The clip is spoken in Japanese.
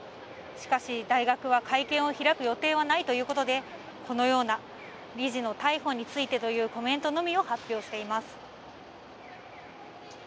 しかし、大学は会見を開く予定はないということで、このような、理事の逮捕についてというコメントのみを発表しています。